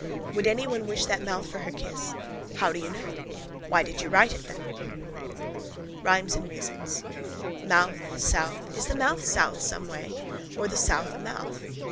Would anyone wish that mouth for her kiss? How do you know? Why did you write it then? RHYMES AND REASONS Mouth, south. Is the mouth south someway? Or the south a mouth?